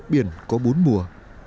biển có bốn mùa